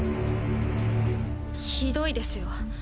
ひどいですよ。